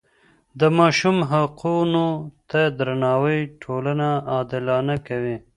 د ماشوم حقونو ته درناوی ټولنه عادلانه کوي.